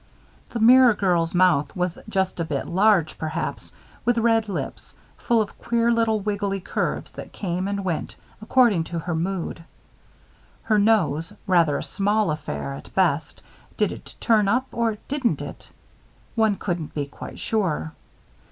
The mirror girl's mouth was just a bit large, perhaps, with red lips, full of queer little wiggly curves that came and went, according to her mood. Her nose, rather a small affair, at best, did it turn up or didn't it? One couldn't be quite sure.